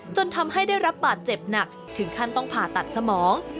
จนทำให้ได้รับบาดเจ็บหนักถึงขั้นต้องผ่าตัดสมอง